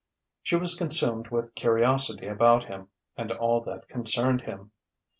She was consumed with curiosity about him and all that concerned him.